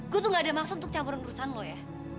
gue tuh gak ada maksud untuk campuran perusahaan lo ya